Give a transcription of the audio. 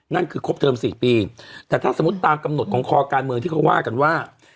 นั่นคือครบเทอม๔ปีแต่ถ้าสมมุติตามกำหนดของคอการเมืองที่เขาว่ากันว่า